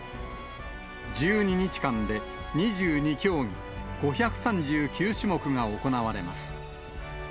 １２日間で２２競技５３９種目が行われます。